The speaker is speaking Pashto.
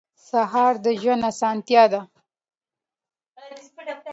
سهار د ژوند اسانتیا ده.